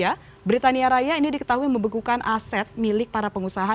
dan juga britania raya ini diketahui membekukan aset milik para pengusaha